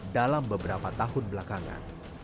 dalam beberapa tahun belakangan